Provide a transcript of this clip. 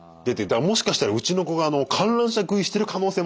もしかしたらうちの子が観覧車食いしてる可能性もあるからね。